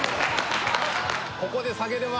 ここで下げれば。